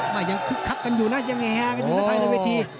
แต่ยังคึกคับกันอยู่นะยังเฮฮากันอยู่ในทายละเวที